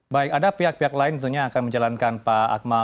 baik ada pihak pihak lain tentunya yang akan menjalankan pak akmal